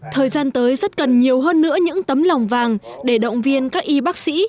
thời gian tới rất cần nhiều hơn nữa những tấm lòng vàng để động viên các y bác sĩ